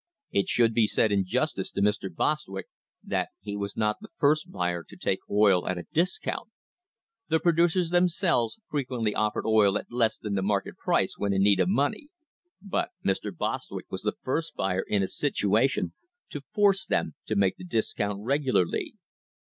It should be said in justice to Mr. Bostwick that he was not the first buyer to take oil at a discount. The pro ducers themselves frequently offered oil at less than the mar ket price when in need of money, but Mr. Bostwick was the first buyer in a situation to force them to make the discount regularly.